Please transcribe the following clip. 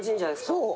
そう。